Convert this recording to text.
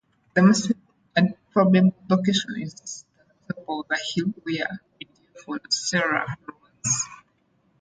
The most probable location is the top of the hill where medieval Nocera rose.